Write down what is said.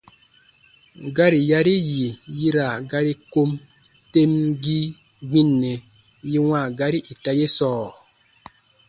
Gari yari yì yi ra gari kom temgii gbinnɛ yi wãa gari ita ye sɔɔ?